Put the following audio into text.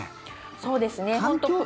そうですね。